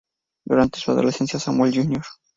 Durante su adolescencia, Samuel Jr.